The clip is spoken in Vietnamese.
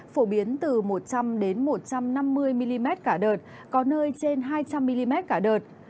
phổ biến từ một trăm linh một trăm năm mươi mm cả đợt có nơi trên hai trăm linh mm cả đợt